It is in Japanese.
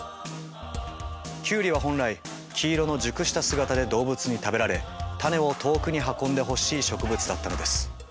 キュウリは本来黄色の熟した姿で動物に食べられ種を遠くに運んでほしい植物だったのです。